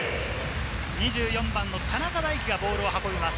２４番の田中大貴がボールを運びます。